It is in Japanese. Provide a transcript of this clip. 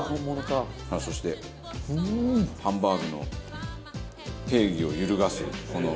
さあそしてハンバーグの定義を揺るがすこの。